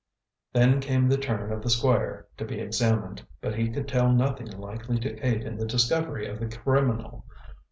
Then came the turn of the Squire to be examined, but he could tell nothing likely to aid in the discovery of the criminal.